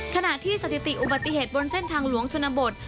ขณะที่สถิติอุบัติเหตุบนเส้นทางหลวงชนบท